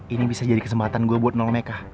ini bisa jadi kesempatan gue buat nol mereka